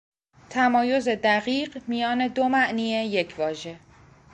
تمایز دقیق میان دو معنی یک واژه